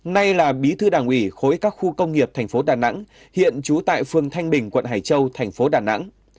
nay là bí thư đảng ủy khối các khu công nghiệp tp đà nẵng hiện trú tại phường thanh bình quận hải châu tp đà nẵng